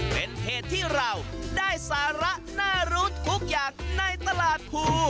เป็นเหตุที่เราได้สาระน่ารู้ทุกอย่างในตลาดภู